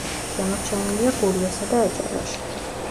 შემორჩენილია გურიასა და აჭარაში.